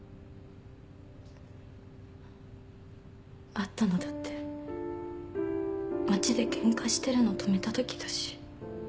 会ったのだって街でケンカしてるの止めたときだし。